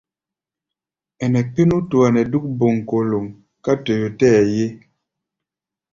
Ɛnɛ kpé nútua nɛ́ dúk bóŋkólóŋ ká toyó tɛɛ́ ye.